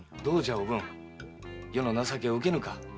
どうじゃおぶん余の情けを受けぬか？